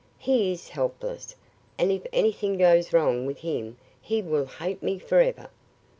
He is helpless, and if anything goes wrong with him he will hate me forever."